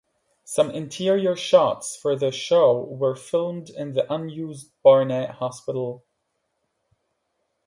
Some interior shots for the show were filmed in the unused Barnert Hospital.